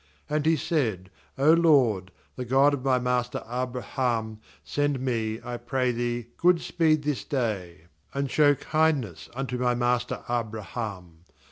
^And he said: 'O LORD,, the God of my master Abraham, send me, I pray Thee, good speed this day, and show kindness unto my master Abra ham.